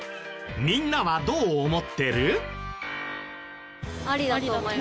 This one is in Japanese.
みんなはどう思ってる？